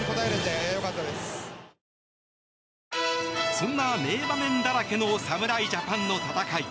そんな名場面だらけの侍ジャパンの戦い。